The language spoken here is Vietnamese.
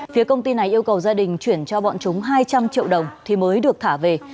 phía công ty này yêu cầu gia đình chuyển cho bọn chúng hai trăm linh triệu đồng thì mới được thả về